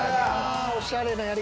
おしゃれなやり方！